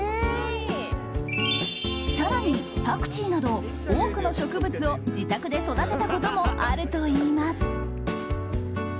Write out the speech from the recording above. ［さらにパクチーなど多くの植物を自宅で育てたこともあるといいます］